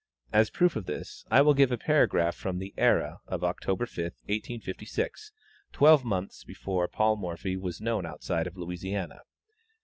As proof of this, I will give a paragraph from The Era of October 5th, 1856, twelve months before Paul Morphy was known outside of Louisiana.